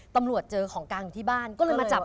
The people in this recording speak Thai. ตำรวจเจอของกลางอยู่ที่บ้านก็เลยมาจับ